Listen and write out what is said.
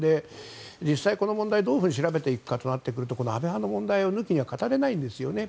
実際、この問題をどういうふうに調べていくかとなるとこの安倍派の問題を抜きには語れないんですよね。